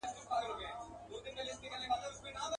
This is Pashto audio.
پردېسي خواره خواري ده وچوي د زړګي وینه.